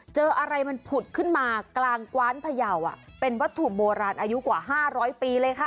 เจออะไรมันผุดขึ้นมากลางกว้านพยาวเป็นวัตถุโบราณอายุกว่า๕๐๐ปีเลยค่ะ